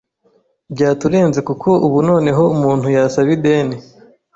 byaturenze kuko ubu noneho umuntu yasaba ideni